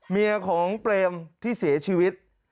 เมียของเปรมที่เสียชีวิต